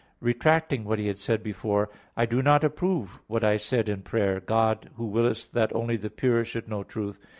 i), retracting what he had said before: "I do not approve what I said in prayer, 'God who willest that only the pure should know truth.'